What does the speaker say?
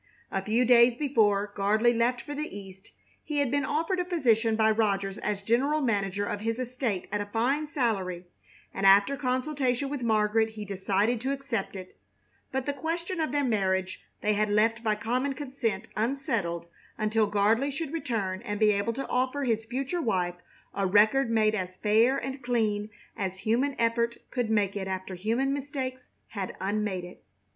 A few days before Gardley left for the East he had been offered a position by Rogers as general manager of his estate at a fine salary, and after consultation with Margaret he decided to accept it, but the question of their marriage they had left by common consent unsettled until Gardley should return and be able to offer his future wife a record made as fair and clean as human effort could make it after human mistakes had unmade it.